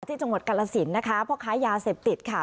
ที่จังหวัดกาลสินนะคะพ่อค้ายาเสพติดค่ะ